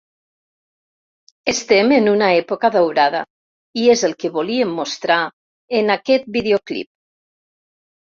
Estem en una època daurada i és el que volíem mostrar en aquest videoclip.